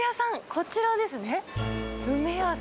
こちらですね。